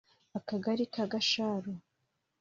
Akagari ka Gasharu